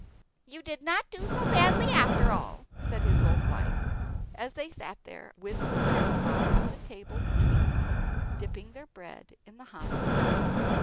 "You did not do so badly after all," said his old wife as they sat there with the samovar on the table between them, dipping their bread in the hot tea.